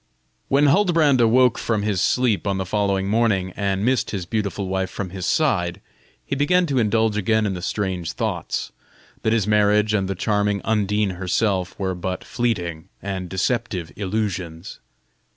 When Huldbrand awoke from his sleep on the following morning, and missed his beautiful wife from his side, he began to indulge again in the strange thoughts, that his marriage and the charming Undine herself were but fleeting and deceptive illusions.